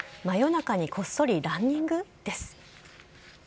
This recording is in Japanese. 真夜中にこっそりランニング？です。